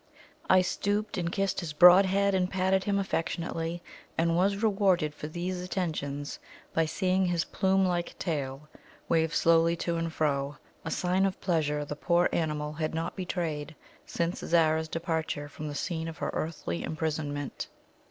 I stooped and kissed his broad head and patted him affectionately, and was rewarded for these attentions by seeing his plume like tail wave slowly to and fro a sign of pleasure the poor animal had not betrayed since Zara's departure from the scene of her earthly imprisonment.